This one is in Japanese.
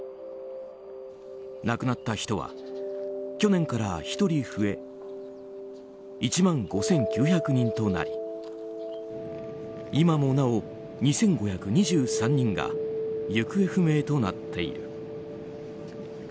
亡くなった人は去年から１人増え１万５９００人となり今もなお２５２３人が行方不明となっている。